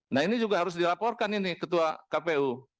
nah ini juga harus dilaporkan ini ketua kpu